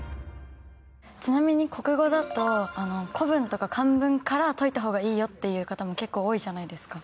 ちなみに国語だと古文とか漢文から解いた方がいいよっていう方も結構多いじゃないですか。